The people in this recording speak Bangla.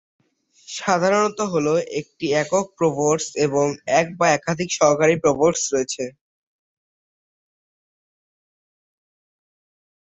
সাধারণত হল একটি একক প্রভোস্ট এবং এক বা একাধিক সহকারী প্রভোস্ট রয়েছেন।